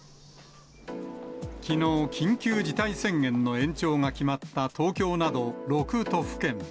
きのう、緊急事態宣言の延長が決まった東京など６都府県。